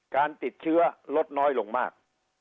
การติดเชื้อลดน้อยลงมาก